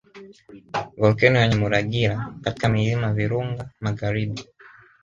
Volkeno ya Nyamuragira katika milima Virunga magharibi